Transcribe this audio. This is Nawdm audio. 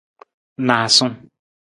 Naasung.